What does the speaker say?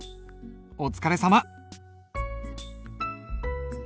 お疲れさま。